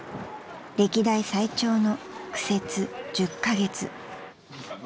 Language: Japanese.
［歴代最長の苦節１０カ月］